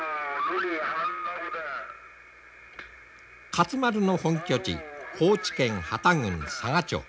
勝丸の本拠地高知県幡多郡佐賀町。